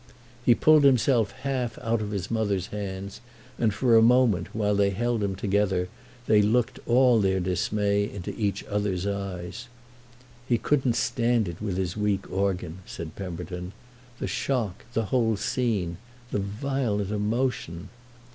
He pulled him half out of his mother's hands, and for a moment, while they held him together, they looked all their dismay into each other's eyes, "He couldn't stand it with his weak organ," said Pemberton—"the shock, the whole scene, the violent emotion."